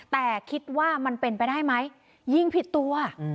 แต่คิดว่ามันเป็นไปได้ไหมยิงผิดตัว